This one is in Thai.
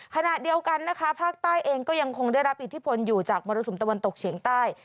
ขณะเดียวกันนะคะภาคใต้เองก็ยังคงได้รับอิทธิพลอยู่จากมรสุมตะวันตกเฉียงใต้